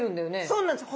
そうなんです。